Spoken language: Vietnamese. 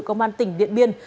công an tỉnh điện biên